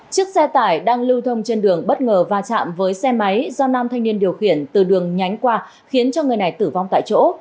chiếc xe tải đang lưu thông trên đường bất ngờ va chạm với xe máy do nam thanh niên điều khiển từ đường nhánh qua khiến cho người này tử vong tại chỗ